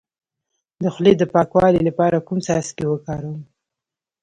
د خولې د پاکوالي لپاره کوم څاڅکي وکاروم؟